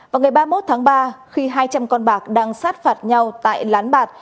vào ngày ba mươi một tháng ba khi hai trăm linh con bạc đang sát phạt nhau tại lán bạc